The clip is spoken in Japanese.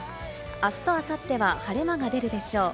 あすとあさっては晴れ間が出るでしょう。